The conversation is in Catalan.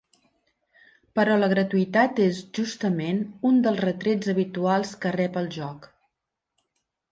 Però la gratuïtat és, justament, un dels retrets habituals que rep el joc.